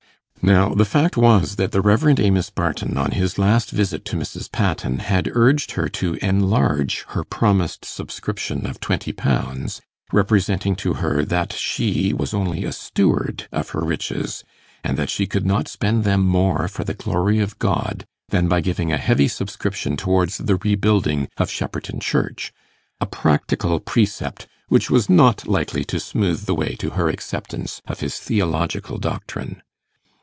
Now the fact was that the Rev. Amos Barton, on his last visit to Mrs. Patten, had urged her to enlarge her promised subscription of twenty pounds, representing to her that she was only a steward of her riches, and that she could not spend them more for the glory of God than by giving a heavy subscription towards the rebuilding of Shepperton Church a practical precept which was not likely to smooth the way to her acceptance of his theological doctrine.